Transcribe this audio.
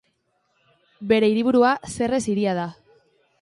Bere hiriburua Serres hiria da.